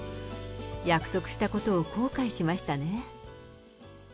約束したことを後悔しましたね。